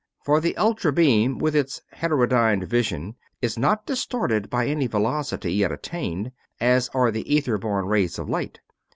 For the ultra beam, with its heterodyned vision, is not distorted by any velocity yet attained, as are the ether borne rays of light.